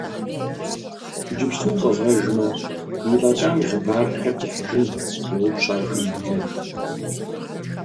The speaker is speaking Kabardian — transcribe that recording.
Иджыпсту уфӏэзгъэжмэ, уи лӏэкӏам и хъыбарыр хэт ихьыжын? – йоупщӏ ар Жамбулэт.